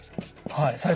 はい。